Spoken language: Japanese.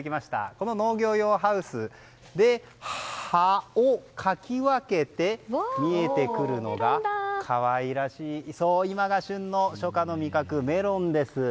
この農業用ハウスで葉をかき分けて見えてくるのが、可愛らしい今が旬の初夏の味覚、メロンです。